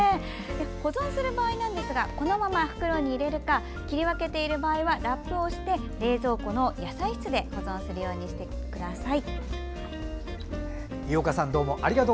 保存する場合はこのまま袋に入れるか切り分けている場合はラップをして冷蔵庫の野菜室で保存してください。